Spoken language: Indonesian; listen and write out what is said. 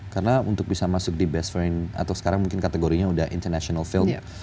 karena untuk bisa masuk di best foreign atau sekarang mungkin kategorinya sudah international film